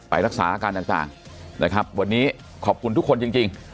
รักษาอาการต่างนะครับวันนี้ขอบคุณทุกคนจริง